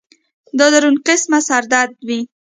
دا درون قسم سر درد وي